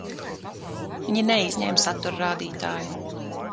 Viņi neizņēma satura rādītāju.